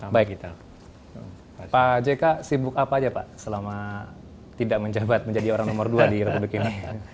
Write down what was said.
pak jk sibuk apa aja pak selama tidak menjabat menjadi orang nomor dua di republik ini